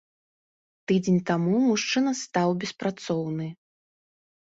Тыдзень таму мужчына стаў беспрацоўны.